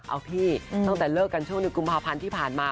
เอาพี่ตั้งแต่เลิกกันช่วงในกุมภาพันธ์ที่ผ่านมา